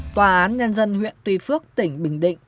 tòa án nhân dân huyện tuy phước tỉnh bình định